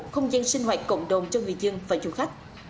không gian sinh hoạt cộng đồng cho người dân và du khách